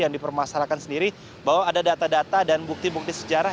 yang dipermasalahkan sendiri bahwa ada data data dan bukti bukti sejarah